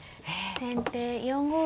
先手４五歩。